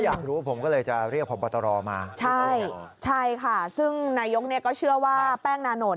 แทนทรงแซมแถนรับรุงภาพหรือเปล่า